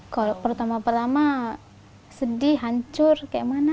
kalau pertama pertama sedih hancur kayak mana